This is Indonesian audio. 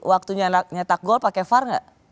waktu nyetak gol pakai far gak